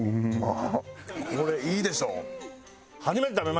これいいでしょ？